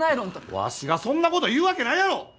わしがそんな事言うわけないやろ！